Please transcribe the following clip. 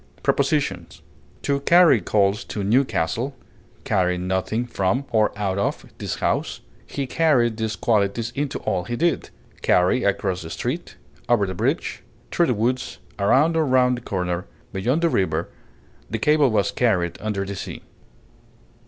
Prepositions: To carry coals to Newcastle; carry nothing from, or out of, this house; he carried these qualities into all he did; carry across the street, over the bridge, through the woods, around or round the corner; beyond the river; the cable was carried under the sea.